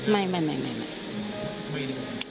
ถ้าเขามาขอบคุณสิ่งแบบนี้